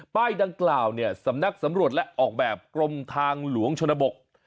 ป้ายดังกล่าวเนี่ยสำนักสำรวจและออกแบบกรมทางหลวงชนบท